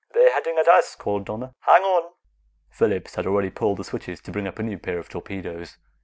"They're heading at us!" called Donna. "Hang on!" Phillips had already pulled the switches to bring up a new pair of torpedoes.